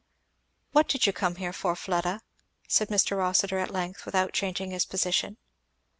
"What did you come here for, Fleda?" said Mr. Rossitur at length, without changing his position.